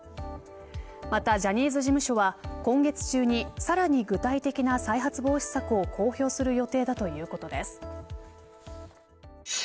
また、ジャニーズ事務所は今月中にさらに具体的な再発防止策を公表する予定だということです。